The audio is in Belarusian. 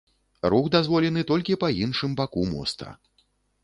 Рух дазволены толькі па іншым баку моста.